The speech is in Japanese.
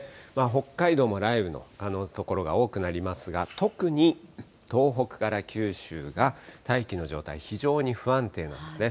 北海道も雷雨の所が多くなりますが、特に東北から九州が大気の状態、非常に不安定なんですね。